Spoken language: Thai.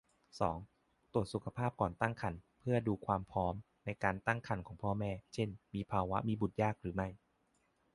สอง ตรวจสุขภาพก่อนตั้งครรภ์เพื่อดูความพร้อมในการตั้งครรภ์ของพ่อแม่ เช่น มีภาวะมีบุตรยากหรือไม่